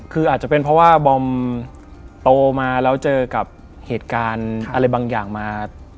คืออาจจะเป็นเพราะว่าบอมโตมาแล้วเจอกับเหตุการณ์อะไรบางอย่างมา